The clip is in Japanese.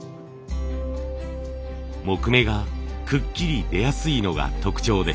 木目がくっきり出やすいのが特徴です。